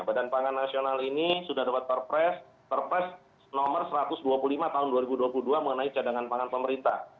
badan pangan nasional ini sudah dapat perpres nomor satu ratus dua puluh lima tahun dua ribu dua puluh dua mengenai cadangan pangan pemerintah